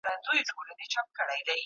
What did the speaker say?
د ټولنيز محصول لوړتيا د پرمختګ نښه ده.